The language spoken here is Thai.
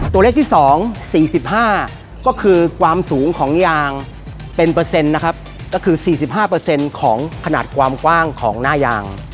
ตัวเลขที่สองสี่สิบห้าก็คือกวามสูงของยางเป็นเปอร์เซ็นต์นะครับก็คือสี่สิบห้าเปอร์เซ็นต์ของขนาดกว้างกว้างของหน้ายาง